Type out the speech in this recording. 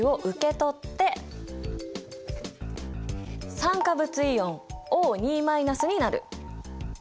酸化物イオンＯになる。